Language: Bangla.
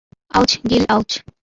Ouch, Gill, ouch.